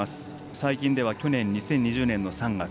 最近では去年２０２０年の３月。